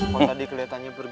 kok tadi kelihatannya pergi